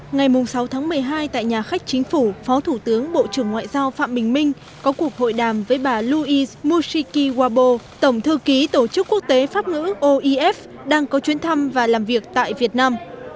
ngày sáu tháng một mươi hai tại nhà khách chính phủ phó thủ tướng bộ trưởng ngoại giao phạm bình minh có cuộc hội đàm với bà louise mushiki wabo tổng thư ký tổ chức quốc tế pháp ngữ oef đang có chuyến thăm và làm việc tại việt nam